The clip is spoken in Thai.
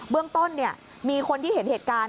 เบื้องต้นเนี่ยมีคนที่เห็นเหตุการณ์